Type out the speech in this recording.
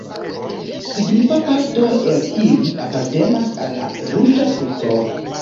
Signifa parto el ili apartenas al la Ruĝa Kruco.